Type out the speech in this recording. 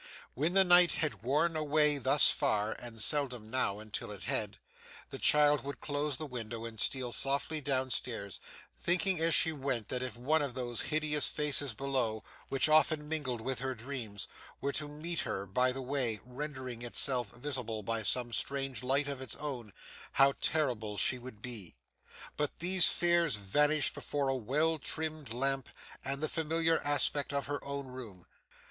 When the night had worn away thus far (and seldom now until it had) the child would close the window, and steal softly down stairs, thinking as she went that if one of those hideous faces below, which often mingled with her dreams, were to meet her by the way, rendering itself visible by some strange light of its own, how terrified she would be. But these fears vanished before a well trimmed lamp and the familiar aspect of her own room.